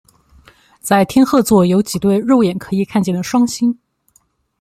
在天鹤座有几对肉眼可以看见的双星。